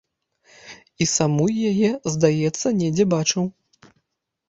І самую яе, здаецца, недзе бачыў.